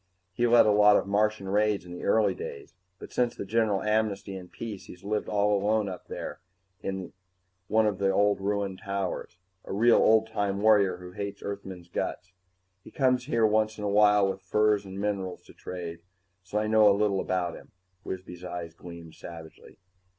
He led a lot of Martian raids in the early days, but since the general amnesty and peace he's lived all alone up there, in one of the old ruined towers. A real old time warrior who hates Earthmen's guts. He comes here once in a while with furs and minerals to trade, so I know a little about him." Wisby's eyes gleamed savagely.